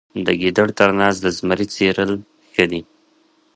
د ګیدړ تر ناز د زمري څیرل ښه دي.